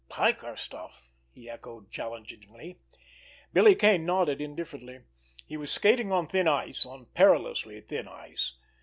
"Piker stuff!" he echoed challengingly. Billy Kane nodded indifferently. He was skating on thin ice, on perilously thin ice.